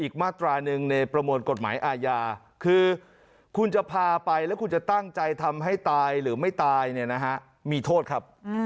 การตั้งใจทำให้ตายหรือไม่ตายมีโทษครับ